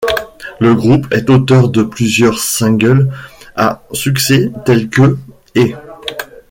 Le groupe est auteur de plusieurs singles à succès tels que ' et '.